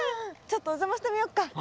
ちょっとおじゃましてみようか。